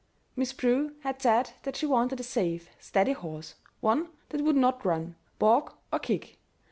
Miss Prue had said that she wanted a safe, steady horse; one that would not run, balk, or kick.